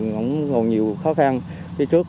còn nhiều khó khăn phía trước